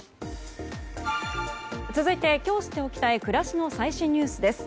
続いて、今日知っておきたい暮らしの最新ニュースです。